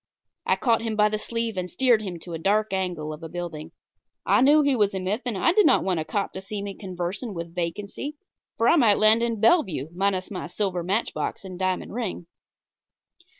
I caught him by the sleeve and steered him to a dark angle of a building. I knew he was a myth, and I did not want a cop to see me conversing with vacancy, for I might land in Bellevue minus my silver matchbox and diamond ring.